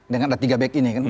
dengan ada tiga back ini kan